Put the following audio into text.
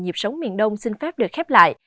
nhịp sống miền đông xin phép được khép lại